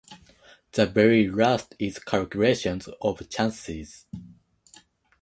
The very last is calculations of chances.